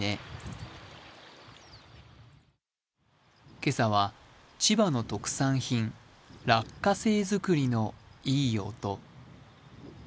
今朝は、千葉の特産品・落花生づくりのいい音。